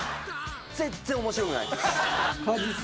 全然面白くないですよ。